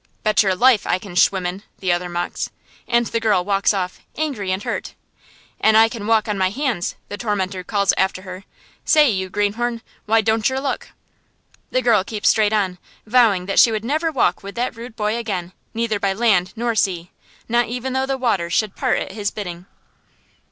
"Betcher life I can schwimmen," the other mocks. And the girl walks off, angry and hurt. "An' I can walk on my hands," the tormentor calls after her. "Say, you greenhorn, why don'tcher look?" The girl keeps straight on, vowing that she would never walk with that rude boy again, neither by land nor sea, not even though the waters should part at his bidding.